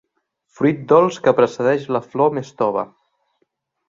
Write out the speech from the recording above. Fruit dolç que precedeix la flor més tova.